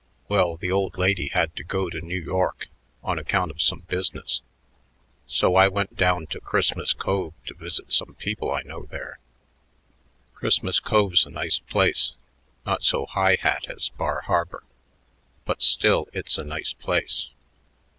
Well, the old lady had to go to New York on account of some business; so I went down to Christmas Cove to visit some people I know there. Christmas Cove's a nice place; not so high hat as Bar Harbor, but still it's a nice place."